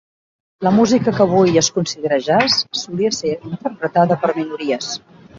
La música que avui dia es considera "jazz" solia ser interpretada per minories.